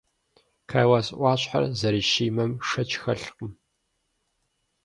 Кайлас ӏуащхьэр зэрыщимэм шэч хэлъкъым.